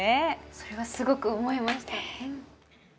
それはすごく思いました。